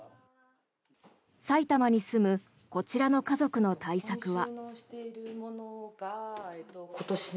埼玉に住むこちらの家族の対策は。